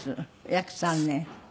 約３年。